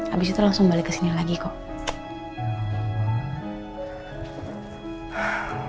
abis itu langsung balik kesini lagi kok